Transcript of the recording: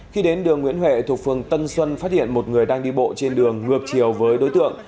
khi đến đường nguyễn huệ thuộc phường tân xuân phát hiện một người đang đi bộ trên đường ngược chiều với đối tượng